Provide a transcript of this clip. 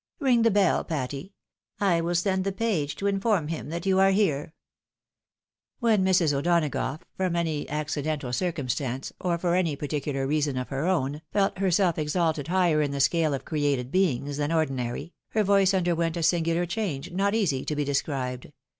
" King the bell, Patty. i win send the page to inform him you are here." When Mrs. O'Donagough from any accidental circumstance, or for any particular reason of her own, felt herself exalted higher in the scale of created beings than ordinary, her voice underwent a singular change, not easy to be described.